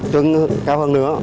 chân cao hơn nữa